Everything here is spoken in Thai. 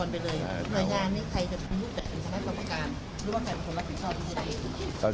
โนยงานนี้ใครจะผู้จัดอย่างสำคัญ